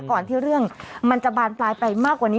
ก่อนที่เรื่องมันจะบานปลายไปมากกว่านี้